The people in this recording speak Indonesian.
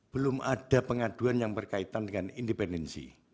belum ada pengaduan yang berkaitan dengan independensi